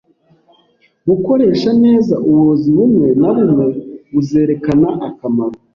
Gukoresha neza, uburozi bumwe na bumwe buzerekana akamaro